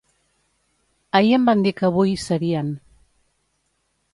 Ahir em van dir que avui hi serien